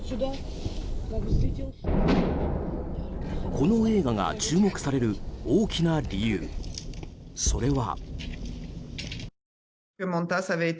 この映画が注目される大きな理由、それは。